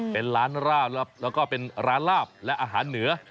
เป็นร้านราบครับแล้วก็เป็นร้านลาบและอาหารเหนือ